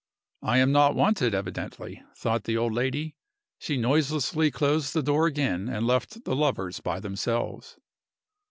"I am not wanted, evidently," thought the old lady. She noiselessly closed the door again and left the lovers by themselves.